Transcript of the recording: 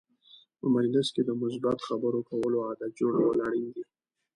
په مجلس کې د مثبت خبرو کولو عادت جوړول اړین دي.